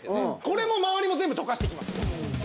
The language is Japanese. これも周りも全部溶かしていきます。